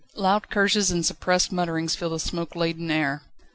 Loud curses and suppressed mutterings fill the smoke laden air.